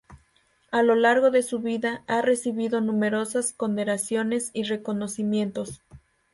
A lo largo de su vida ha recibido numerosas condecoraciones y reconocimientos.